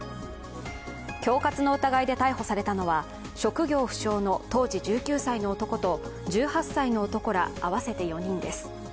恐喝の疑いで逮捕されたのは職業不詳の当時１９歳の男と１８歳の男ら、合わせて４人です。